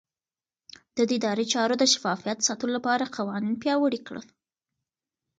ده د ادارې چارو د شفافيت ساتلو لپاره قوانين پياوړي کړل.